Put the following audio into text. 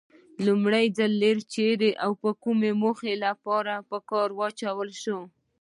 لومړي ځل ریل چیري او د کومې موخې لپاره په کار واچول شو؟